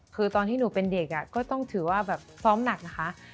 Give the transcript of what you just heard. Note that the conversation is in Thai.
คือตอนที่หนูเป็นเด็กก็ต้องถือว่าแบบซ้อมหนักนะคะ